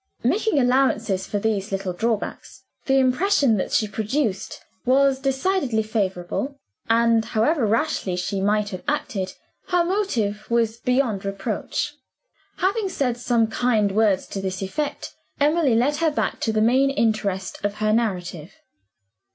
Making allowance for these little drawbacks, the impression that she produced was decidedly favorable; and, however rashly she might have acted, her motive was beyond reproach. Having said some kind words to this effect, Emily led her back to the main interest of her narrative.